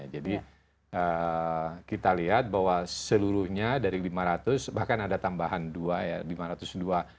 jadi kita lihat bahwa seluruhnya dari lima ratus bahkan ada tambahan dua ya